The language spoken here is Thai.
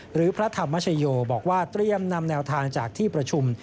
หรือพระธรรมชโยบอกว่าเตรียมนำแนวทางจากที่ประชุม